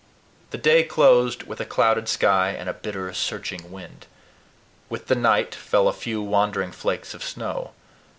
The day closed with a clouded sky and a bitter, searching wind. With the night fell a few wandering flakes of snow.